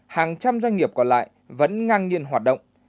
hàng trăm doanh nghiệp còn lại vẫn ngang nhiên hoạt động